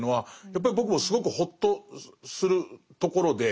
やっぱり僕もすごくほっとするところで。